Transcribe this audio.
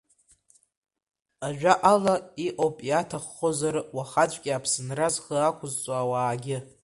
Ажәакала, иҟоуп иаҭаххозар уахаҵәҟьа Аԥсынра зхы ақәызҵо ауаагьы.